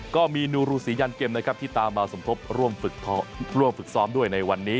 ก็มีนูรูสียันเกมนะครับที่ตามมาสมทบร่วมฝึกซ้อมด้วยในวันนี้